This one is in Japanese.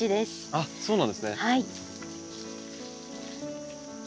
あっそうなんですね。